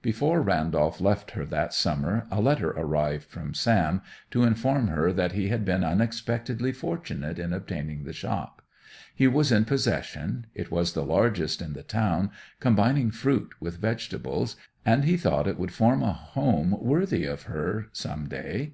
Before Randolph left her that summer a letter arrived from Sam to inform her that he had been unexpectedly fortunate in obtaining the shop. He was in possession; it was the largest in the town, combining fruit with vegetables, and he thought it would form a home worthy even of her some day.